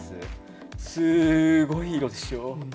すごい色でしょ。